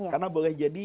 karena boleh jadi